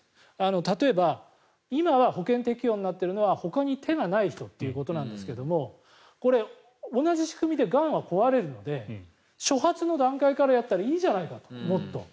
例えば、今は保険適用になっているのはほかに手がない人ということですが同じ仕組みでがんは壊れるので初発の段階からやったらいいじゃないかと、もっと。